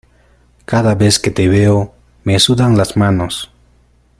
Cada vez que te veo me sudan las manos.